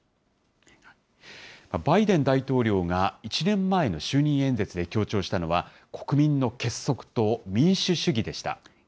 バイデン大統領が、１年前の就任演説で強調したのは、国民の結束と民主主義でした。